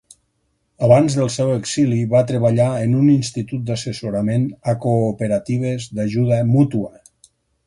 Abans del seu exili, va treballar en un institut d'assessorament a Cooperatives d'Ajuda Mútua.